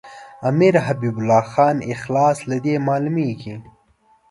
امیر حبیب الله خان اخلاص له دې معلومیږي.